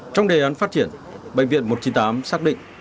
trong đề án phát triển bệnh viện một trăm chín mươi tám xác định